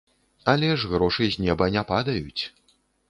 Але ж грошы з неба не падаюць.